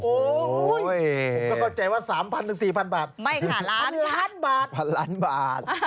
ผมก็เข้าใจว่าสามพันธุ์ถึงสี่พันธุ์บาทไม่ค่ะล้านบาท